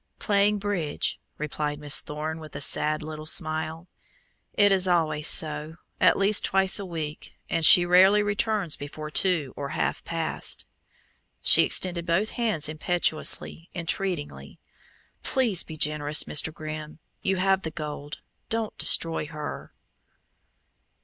"Playing bridge," replied Miss Thorne, with a sad little smile. "It is always so at least twice a week, and she rarely returns before two or half past." She extended both hands impetuously, entreatingly. "Please be generous, Mr. Grimm. You have the gold; don't destroy her."